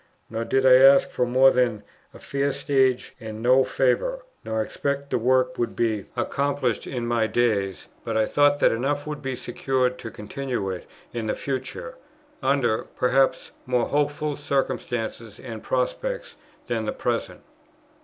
Nor did I ask for more than "a fair stage and no favour," nor expect the work would be accomplished in my days; but I thought that enough would be secured to continue it in the future, under, perhaps, more hopeful circumstances and prospects than the present.